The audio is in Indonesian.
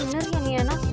bener apa nih bener ya niana